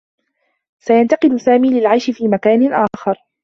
سينتقل سامي للعيش في مكان آخر.